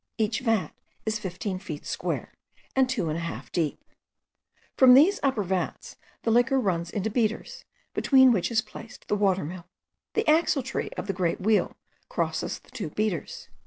Each vat is fifteen feet square, and two and a half deep. From these upper vats the liquor runs into beaters, between which is placed the water mill. The axletree of the great wheel crosses the two beaters.